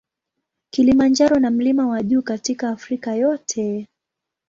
Kilimanjaro na mlima wa juu katika Afrika yote.